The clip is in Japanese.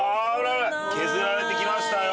削られてきましたよ。